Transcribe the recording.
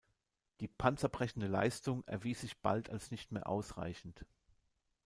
Die panzerbrechende Leistung erwies sich bald als nicht mehr ausreichend.